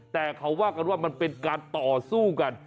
แต่เขาว่ากันว่ามันเป็นการต่อสู้กัน